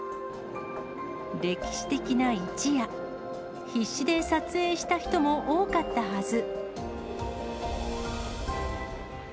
歴史的な一夜、必死で撮影した人も多かったはず。